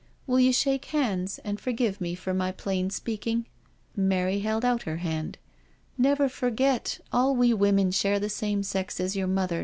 " Will you shake hands and IN THE PUNISHMENT CELL 295 forgive me for my plain speaking.*' Mary held out her hand: " Never forget all we women share the same sex as your mother.